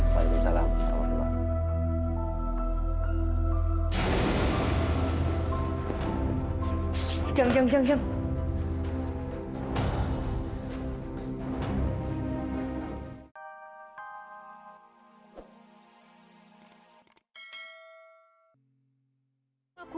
terima kasih jas